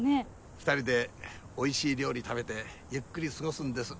２人でおいしい料理食べてゆっくり過ごすんです。